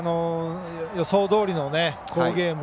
予想どおりの好ゲーム。